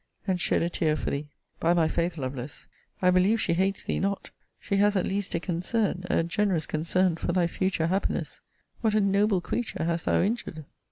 and shed a tear for thee. By my faith, Lovelace, I believe she hates thee not! she has at least a concern, a generous concern for thy future happiness What a noble creature hast thou injured!